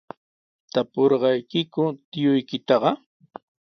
¿Tapurqaykiku tiyuykitaqa?